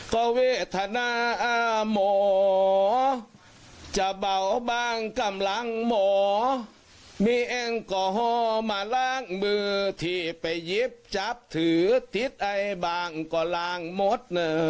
ก็เวทนาหมอจะเบาบางกำลังหมอมีแอลกอฮอล์มาล้างมือที่ไปยิบจับถือทิศไอบ้างก็ล้างหมด